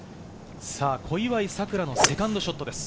小祝さくらのセカンドショットです。